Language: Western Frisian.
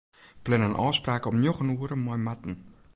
Plan in ôfspraak om njoggen oere mei Marten.